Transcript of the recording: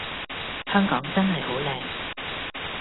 香港真係好靚